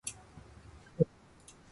お米